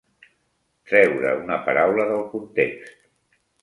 Treure una paraula del context.